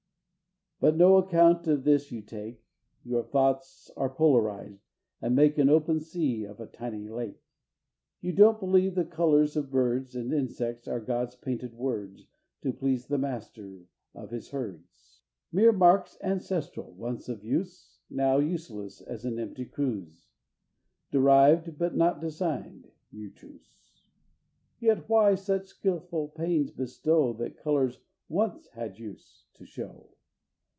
But no account of this you take; Your thoughts are polarized, and make An open sea of a tiny lake. V. You don't believe the colors of birds And insects are God's painted words To please the master of His herds! "Mere marks ancestral, once of use, Now useless as an empty cruse Derived, but not designed," your truce. Yet why such skilful pains bestow, That colors once had use, to shew?